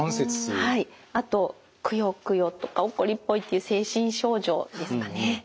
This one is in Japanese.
あとくよくよとか怒りっぽいっていう精神症状ですかね。